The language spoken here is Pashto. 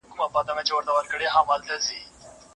زه به څنګه په اغیار کي خپل جنون درته بیان کم